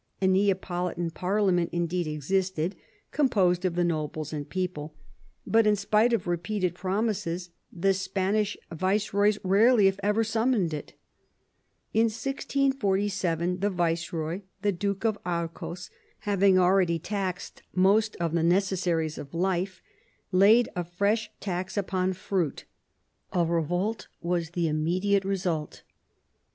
A Neapolitan parliament, indeed, existed, composed of the nobles and people ; but^ in spite of repeated promises, the Spanish viceroys rarely, if ever, summoned it In 1647 the viceroy, the Duke of Arcos, having already taxed most of the necessaries of life, laid a fresh tax upon fruit. A revolt was the immediate result.